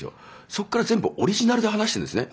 そっから全部オリジナルで話してるんですね